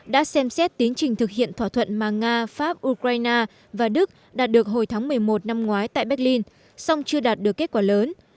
đã xem xét tiến trình thực hiện thỏa thuận mà nga pháp ukraine và đức đạt được hồi tháng một mươi một năm ngoái tại berlin song chưa đạt được kết quả lớn